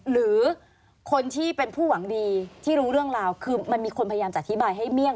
หรือคนที่เป็นผู้หวังดีที่รู้เรื่องราวคือมันมีคนพยายามจะอธิบายให้เมี่ยง